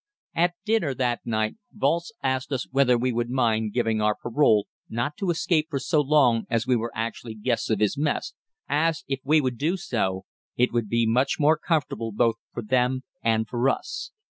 At dinner that night Walz asked us whether we would mind giving our parole not to escape for so long as we were actually guests of his mess, as, if we would do so, it would be much more comfortable both for them and for us.